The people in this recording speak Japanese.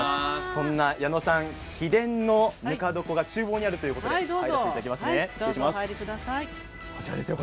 そんな矢野さん、秘伝のぬか床がちゅう房にあるということでお邪魔します。